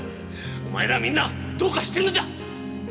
お前らみんなどうかしてるんだ！